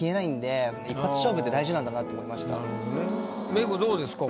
メグどうですか？